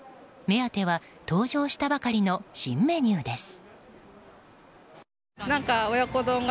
目当ては、登場したばかりの新メニューです。